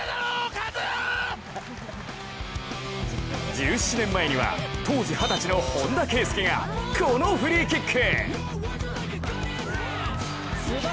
１７年前には、当時二十歳の本田圭佑がこのフリーキック！